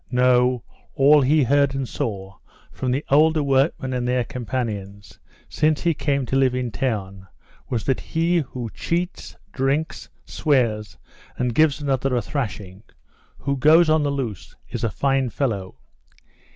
No, all he heard and saw, from the older workmen and his companions, since he came to live in town, was that he who cheats, drinks, swears, who gives another a thrashing, who goes on the loose, is a fine fellow.